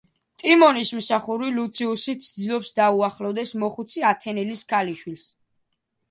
ტიმონის მსახური, ლუციუსი, ცდილობს დაუახლოვდეს მოხუცი ათენელის ქალიშვილს.